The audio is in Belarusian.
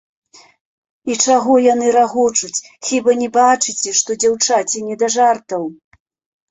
І чаго яны рагочуць, хіба не бачыце, што дзяўчаці не да жартаў.